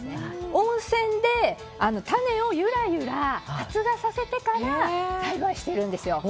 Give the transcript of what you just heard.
温泉で種をゆらゆら発芽させてから栽培してるんですよ。